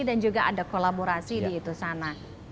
dan juga ada kolaborasi di itu sana